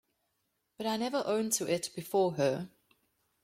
But I never own to it before her.